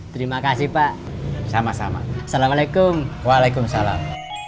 terima kasih pak sama sama assalamualaikum waalaikumsalam